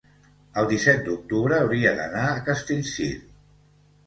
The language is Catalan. el disset d'octubre hauria d'anar a Castellcir.